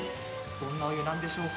どんなお湯なんでしょうか。